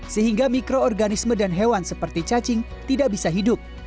sehingga mikroorganisme dan hewan seperti cacing tidak bisa hidup